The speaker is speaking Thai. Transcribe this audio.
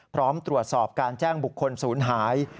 พร้อมตรวจสอบการแจ้งบุคคลศูนย์หาย